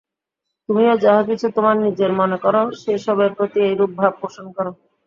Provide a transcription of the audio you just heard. তুমিও যাহা কিছু তোমার নিজের মনে কর, সে-সবের প্রতি এইরূপ ভাব পোষণ কর।